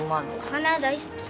花大好き。